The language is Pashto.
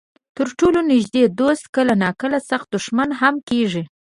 تر ټولو نږدې دوست کله ناکله سخت دښمن هم کېږي.